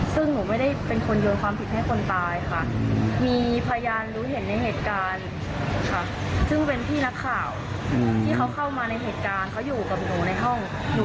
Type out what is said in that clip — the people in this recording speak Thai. ซึ่งหนูไม่ได้เป็นคนโยนความผิดให้คนตายมีทรายงานเมืองคือพิพร้อมศาลที่เป็นพินักข่าว